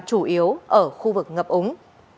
chủ yếu ở khu vực ngập ống